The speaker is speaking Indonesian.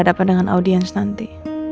berhadapan dengan audiens nanti